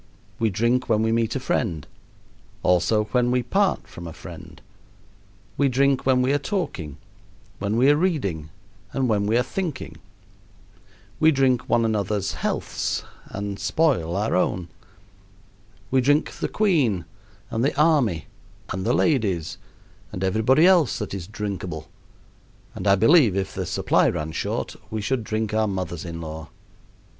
We drink when we meet a friend, also when we part from a friend. We drink when we are talking, when we are reading, and when we are thinking. We drink one another's healths and spoil our own. We drink the queen, and the army, and the ladies, and everybody else that is drinkable; and I believe if the supply ran short we should drink our mothers in law.